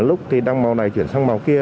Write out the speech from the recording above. lúc thì đang màu này chuyển sang màu kia